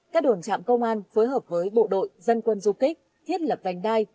các đồn trạm công an phối hợp với bộ đội dân quân du kích thiết lập vành đai